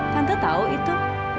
tante tau itu